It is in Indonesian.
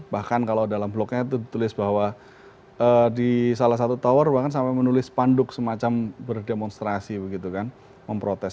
bahkan kalau dalam blognya itu ditulis bahwa di salah satu tower bahkan sampai menulis panduk semacam berdemonstrasi begitu kan memprotes